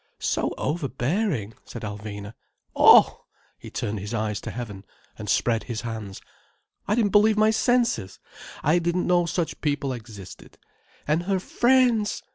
"So overbearing!" said Alvina. "Oh!" he turned his eyes to heaven, and spread his hands. "I didn't believe my senses. I didn't know such people existed. And her friends!